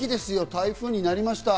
台風になりました。